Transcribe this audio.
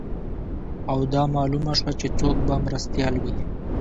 او دا معلومه شوه چې څوک به مرستیال وي